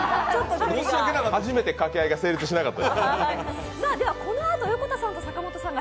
初めて掛け合いが成立しなかった。